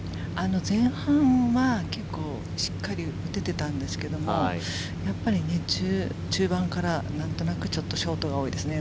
前半は結構しっかり打ててたんですけどやっぱり中盤からなんとなくショートが多いですね。